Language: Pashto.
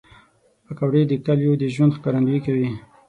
پکورې د کلیو د ژوند ښکارندویي کوي